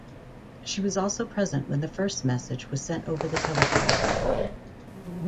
She was also present when the first message was sent over the telephone.